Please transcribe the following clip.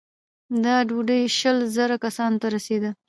دا ډوډۍ شل زره کسانو ته رسېده.